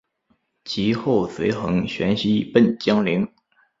及后随桓玄西奔江陵。